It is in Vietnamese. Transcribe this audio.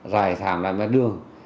giải thảm là mặt đường